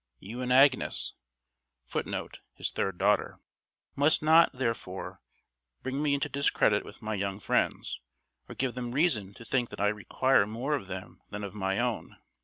You and Agnes [Footnote: His third daughter.] must not, therefore, bring me into discredit with my young friends, or give them reason to think that I require more of them than of my own.